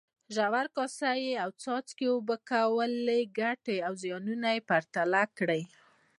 ژور، کاسه یي او څاڅکي اوبه کولو ګټې او زیانونه پرتله کړئ.